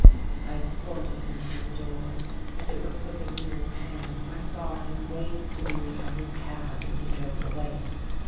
I escorted him to the door, and it was with a real pang I saw him wave to me from his cab as he drove away.